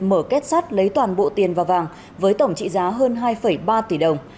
mở kết sắt lấy toàn bộ tiền và vàng với tổng trị giá hơn hai ba tỷ đồng